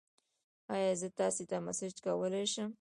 ایا زه تاسو ته میسج کولی شم؟